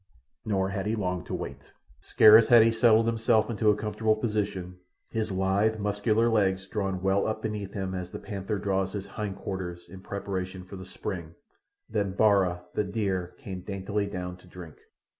Nor had he long to wait. Scarce had he settled himself to a comfortable position, his lithe, muscular legs drawn well up beneath him as the panther draws his hindquarters in preparation for the spring, than Bara, the deer, came daintily down to drink.